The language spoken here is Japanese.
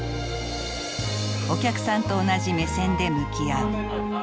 お客さんと同じ目線で向き合う。